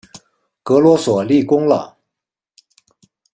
格罗索立功啦！